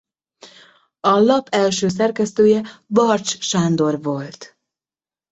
A lap első szerkesztője Barcs Sándor volt.